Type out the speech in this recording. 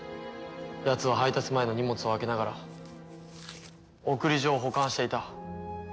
やつは配達前の荷物を開けながら送り状を保管していた。